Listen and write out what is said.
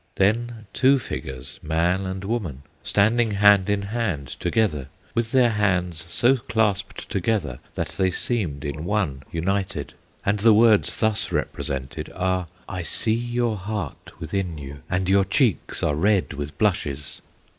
Then two figures, man and woman, Standing hand in hand together With their hands so clasped together That they seemed in one united, And the words thus represented Are, "I see your heart within you, And your cheeks are red with blushes!"